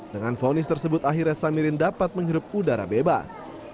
dengan fonis tersebut akhirnya samirin dapat menghirup udara bebas